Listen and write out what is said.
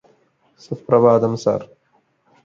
Suprabhatham sir